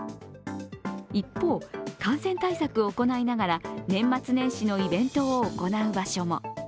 一方、感染対策を行いながら年末年始のイベントを行う場所も。